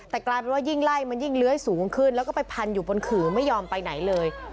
แต่กลายเป็นว่ายิ่งไล่มันยิ่งเลื้อยสูงขึ้นแล้วก็ไปพันอยู่บนขื่อไม่ยอมไปไหนเลย